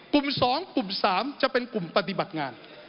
กลุ่ม๒กลุ่ม๓จะเป็นกลุ่มปฏิบัติงาน